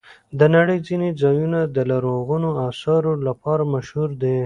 د نړۍ ځینې ځایونه د لرغونو آثارو لپاره مشهور دي.